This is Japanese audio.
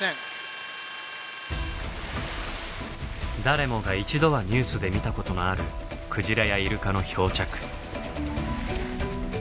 誰もが一度はニュースで見たことのあるクジラやイルカの漂着。